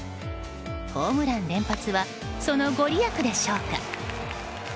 ホームラン連発はそのご利益でしょうか。